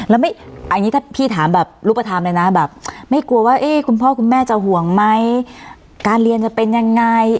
แล้วอันนี้ถ้าพี่ถามแบบรูปธรรมเลยนะแบบไม่กลัวว่าคุณพ่อคุณแม่จะห่วงไหมการเรียนจะเป็นยังไง